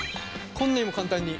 こんなにも簡単に。